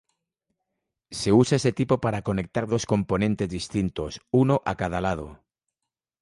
Se usa este tipo para conectar dos componentes distintos, uno a cada lado.